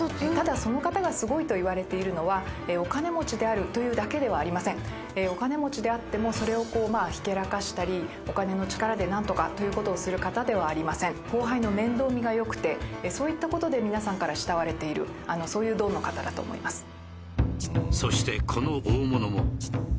ただその方がすごいといわれているのはお金持ちであるというだけではありませんお金持ちであってもそれをこうひけらかしたりお金の力で何とかということをする方ではありません後輩の面倒見が良くてそういったことで皆さんから慕われているそういうドンの方だと思います